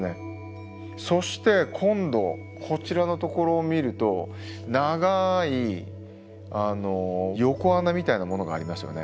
そして今度こちらのところを見ると長い横穴みたいなものがありますよね。